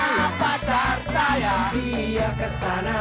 dia kesana saya pun kesana